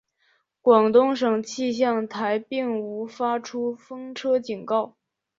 广东省气象台并无发出台风警告。